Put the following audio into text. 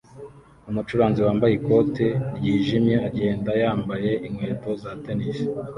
Umucuranzi wambaye ikote ryijimye agenda yambaye inkweto za tennis